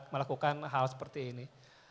melakukan hal seperti ini